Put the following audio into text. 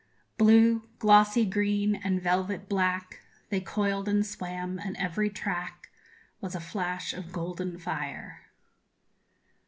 Blue, glossy green, and velvet black, They coiled and swam; and every track _Was a flash of golden fire.